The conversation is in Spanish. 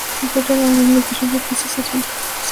Se encuentra en el Mediterráneo y costas atlánticas próximas.